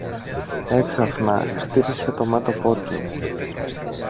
Έξαφνα χτύπησε το μέτωπο του